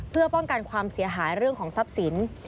เพื่อป้องกันความเสียหายเรื่องของทรัพย์สิน